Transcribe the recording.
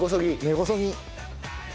根こそぎ。